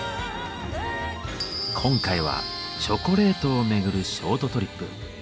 今回はチョコレートをめぐるショートトリップ。